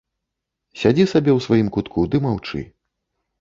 Сядзі сабе ў сваім кутку ды маўчы.